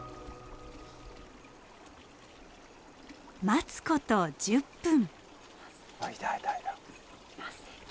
待つこと１０分。